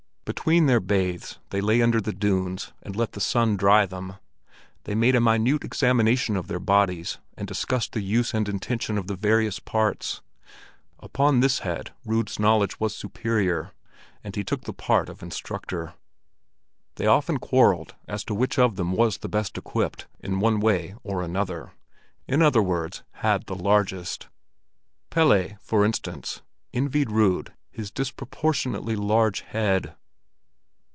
Between their bathes they lay under the dunes and let the sun dry them. They made a minute examination of their bodies, and discussed the use and intention of the various parts. Upon this head Rud's knowledge was superior, and he took the part of instructor. They often quarrelled as to which of them was the best equipped in one way or another—in other words, had the largest. Pelle, for instance, envied Rud his disproportionately large head.